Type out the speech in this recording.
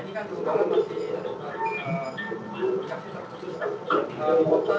kira kira berapa aja untuk pukul sembilan malam